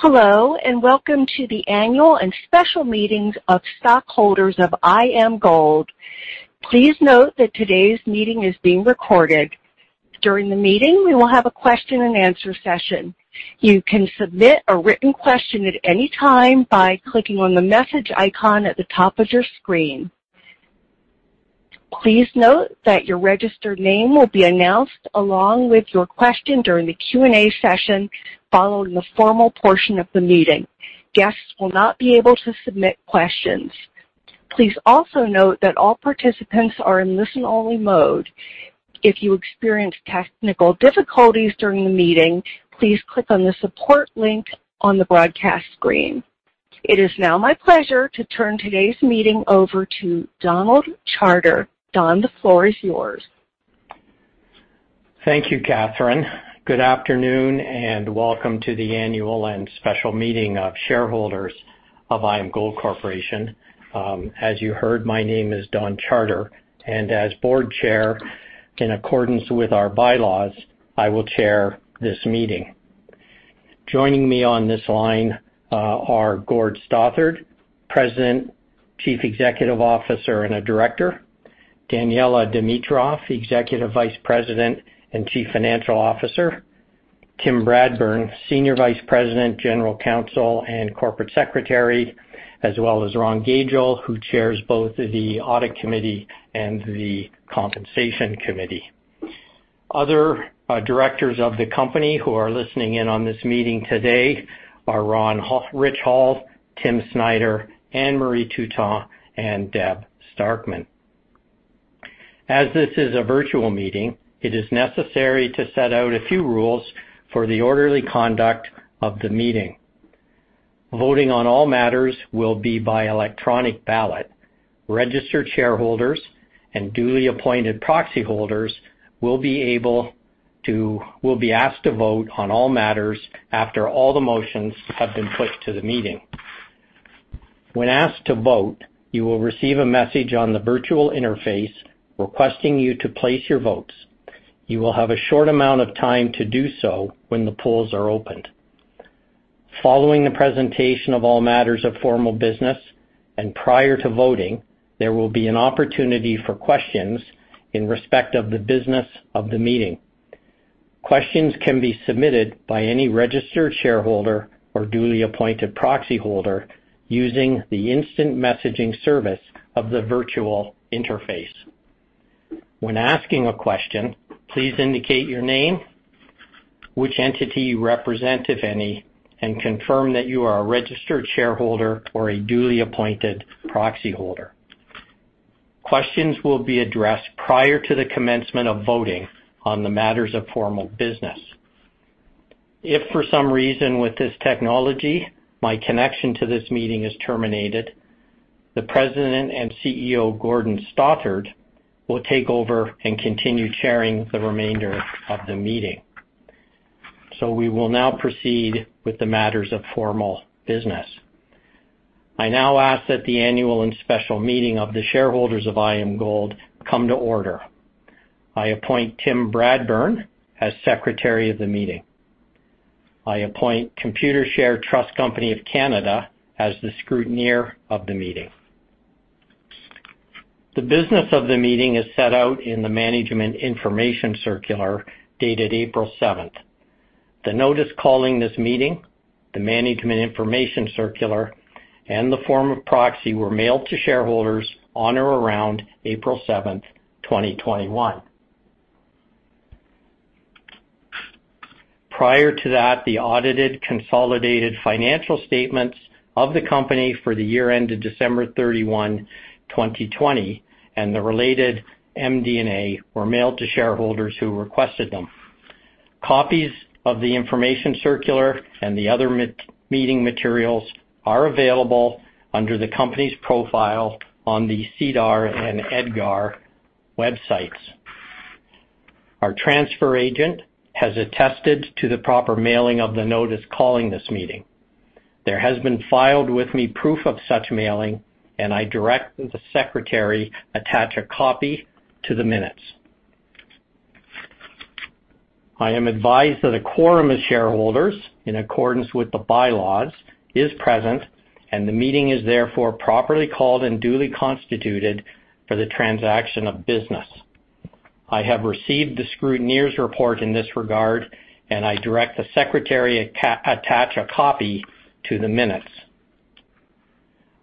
Hello, and welcome to the annual and special meetings of stockholders of IAMGOLD. Please note that today's meeting is being recorded. During the meeting, we will have a question-and-answer session. You can submit a written question at any time by clicking on the message icon at the top of your screen. Please note that your registered name will be announced along with your question during the Q&A session following the formal portion of the meeting. Guests will not be able to submit questions. Please also note that all participants are in listen-only mode. If you experience technical difficulties during the meeting, please click on the support link on the broadcast screen. It is now my pleasure to turn today's meeting over to Donald Charter. Don, the floor is yours. Thank you, Catherine. Good afternoon, and welcome to the annual and special meeting of shareholders of IAMGOLD Corporation. As you heard, my name is Don Charter, and as board chair, in accordance with our bylaws, I will chair this meeting. Joining me on this line are Gord Stothart, President, Chief Executive Officer, and a Director, Daniella Dimitrov, Executive Vice President and Chief Financial Officer, Tim Bradburn, Senior Vice President, General Counsel, and Corporate Secretary, as well as Ron Gagel, who chairs both the Audit Committee and the Compensation Committee. Other Directors of the company who are listening in on this meeting today are Ron Richveld, Tim Snider, Anne Marie Toutant, and Deb Starkman. As this is a virtual meeting, it is necessary to set out a few rules for the orderly conduct of the meeting. Voting on all matters will be by electronic ballot. Registered shareholders and duly appointed proxy holders will be asked to vote on all matters after all the motions have been put to the meeting. When asked to vote, you will receive a message on the virtual interface requesting you to place your votes. You will have a short amount of time to do so when the polls are opened. Following the presentation of all matters of formal business and prior to voting, there will be an opportunity for questions in respect of the business of the meeting. Questions can be submitted by any registered shareholder or duly appointed proxy holder using the instant messaging service of the virtual interface. When asking a question, please indicate your name, which entity you represent, if any, and confirm that you are a registered shareholder or a duly appointed proxy holder. Questions will be addressed prior to the commencement of voting on the matters of formal business. If for some reason with this technology, my connection to this meeting is terminated, the President and CEO, Gordon Stothart, will take over and continue chairing the remainder of the meeting. We will now proceed with the matters of formal business. I now ask that the annual and special meeting of the shareholders of IAMGOLD come to order. I appoint Tim Bradburn as secretary of the meeting. I appoint Computershare Trust Company of Canada as the scrutineer of the meeting. The business of the meeting is set out in the management information circular dated April 7. The notice calling this meeting, the management information circular, and the form of proxy were mailed to shareholders on or around April 7, 2021. Prior to that, the audited consolidated financial statements of the company for the year end of December 31, 2020 and the related MD&A were mailed to shareholders who requested them. Copies of the information circular and the other meeting materials are available under the company's profile on the SEDAR and EDGAR websites. Our transfer agent has attested to the proper mailing of the notice calling this meeting. There has been filed with me proof of such mailing, and I direct the secretary attach a copy to the minutes. I am advised that a quorum of shareholders, in accordance with the bylaws, is present, and the meeting is therefore properly called and duly constituted for the transaction of business. I have received the scrutineer's report in this regard, and I direct the secretary attach a copy to the minutes.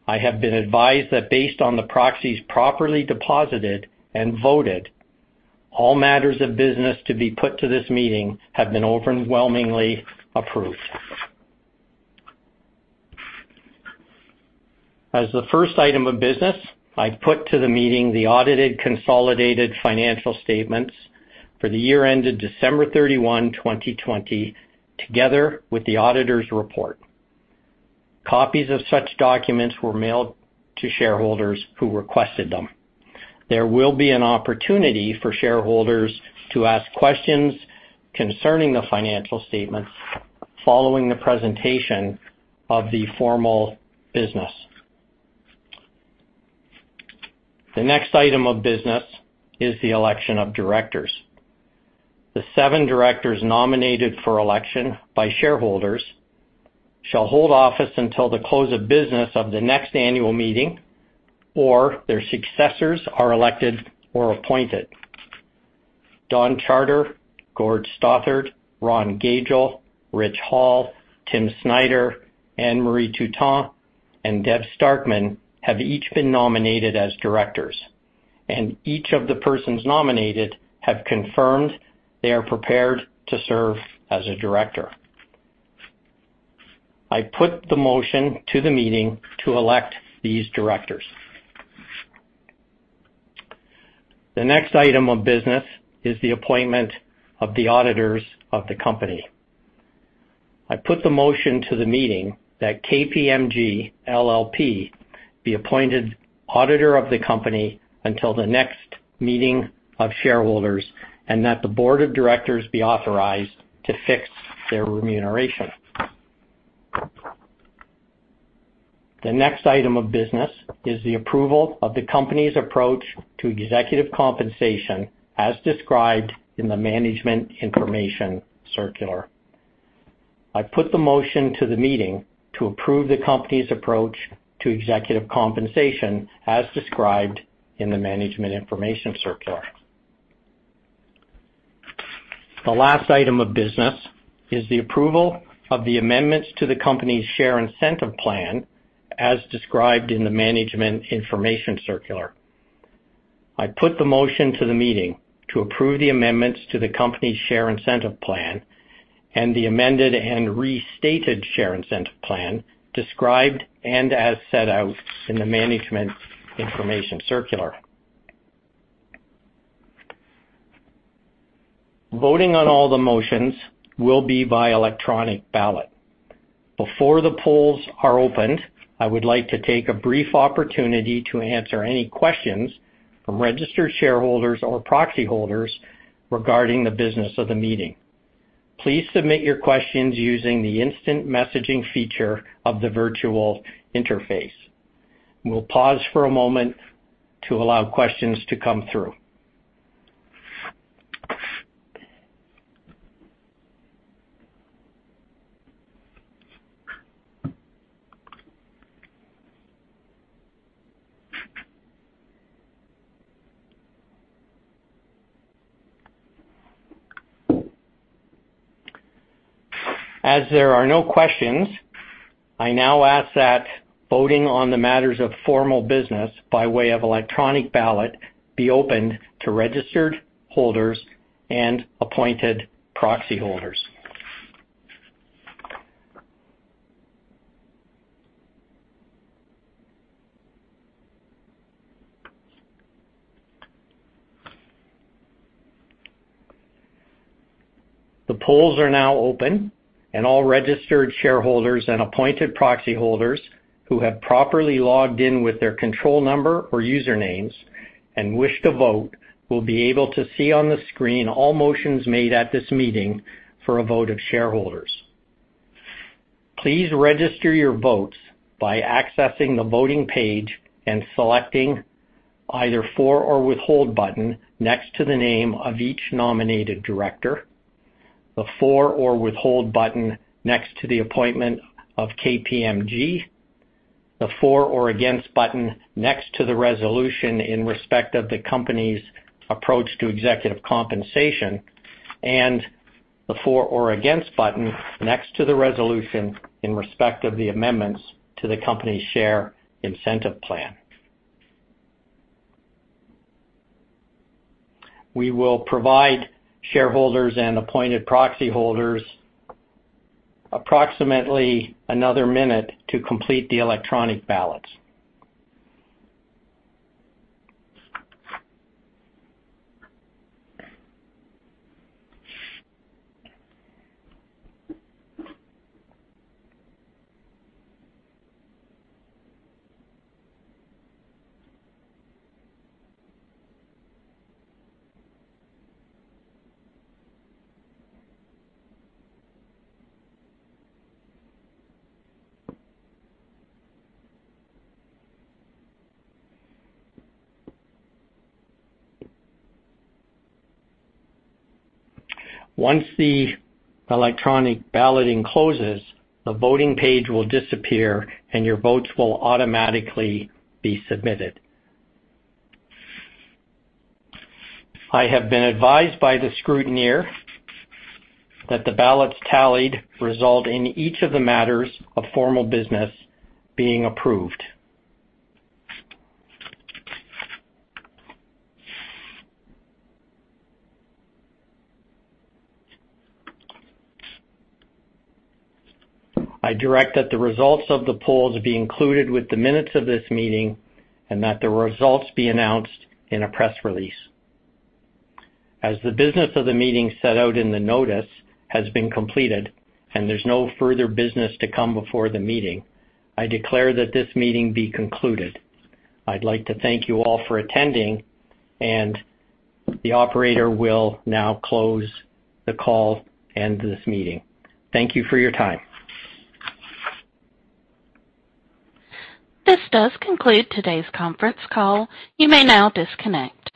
I have been advised that based on the proxies properly deposited and voted, all matters of business to be put to this meeting have been overwhelmingly approved. As the first item of business, I put to the meeting the audited consolidated financial statements for the year end of December 31, 2020, together with the auditor's report. Copies of such documents were mailed to shareholders who requested them. There will be an opportunity for shareholders to ask questions concerning the financial statements following the presentation of the formal business. The next item of business is the election of directors. The seven directors nominated for election by shareholders shall hold office until the close of business of the next annual meeting, or their successors are elected or appointed. Don Charter, Gord Stothart, Ronald Gagel, Rich Hall, Tim Snider, Anne Marie Toutant, and Deb Starkman have each been nominated as directors, and each of the persons nominated have confirmed they are prepared to serve as a director. I put the motion to the meeting to elect these directors. The next item of business is the appointment of the auditors of the company. I put the motion to the meeting that KPMG LLP be appointed auditor of the company until the next meeting of shareholders, and that the board of directors be authorized to fix their remuneration. The next item of business is the approval of the company's approach to executive compensation, as described in the management information circular. I put the motion to the meeting to approve the company's approach to executive compensation, as described in the management information circular. The last item of business is the approval of the amendments to the company's share incentive plan, as described in the management information circular. I put the motion to the meeting to approve the amendments to the company's share incentive plan and the amended and restated share incentive plan described and as set out in the management information circular. Voting on all the motions will be by electronic ballot. Before the polls are opened, I would like to take a brief opportunity to answer any questions from registered shareholders or proxy holders regarding the business of the meeting. Please submit your questions using the instant messaging feature of the virtual interface. We'll pause for a moment to allow questions to come through. As there are no questions, I now ask that voting on the matters of formal business by way of electronic ballot be opened to registered holders and appointed proxy holders. The polls are now open. All registered shareholders and appointed proxy holders who have properly logged in with their control number or usernames and wish to vote will be able to see on the screen all motions made at this meeting for a vote of shareholders. Please register your votes by accessing the voting page and selecting either For or Withhold button next to the name of each nominated director, the For or Withhold button next to the appointment of KPMG, the For or Against button next to the resolution in respect of the company's approach to executive compensation, and the For or Against button next to the resolution in respect of the amendments to the company's share incentive plan. We will provide shareholders and appointed proxy holders approximately another minute to complete the electronic ballots. Once the electronic balloting closes, the voting page will disappear, and your votes will automatically be submitted. I have been advised by the scrutineer that the ballots tallied result in each of the matters of formal business being approved. I direct that the results of the polls be included with the minutes of this meeting and that the results be announced in a press release. As the business of the meeting set out in the notice has been completed, there's no further business to come before the meeting, I declare that this meeting be concluded. I'd like to thank you all for attending, the operator will now close the call and this meeting. Thank you for your time. This does conclude today's conference call. You may now disconnect.